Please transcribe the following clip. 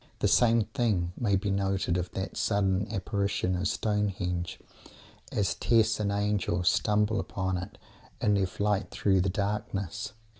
The same thing may be noted of that sudden apparition of Stonehenge, as Tess and Angel stumble upon it in their flight through the darkness.